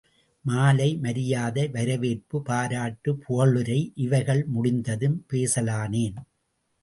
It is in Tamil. மாலை, மரியாதை வரவேற்பு பாராட்டு புகழுரை இவைகள் முடிந்ததும் பேசலானேன்.